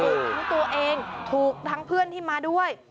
ทั้งตัวเองถูกทั้งเพื่อนที่มาด้วย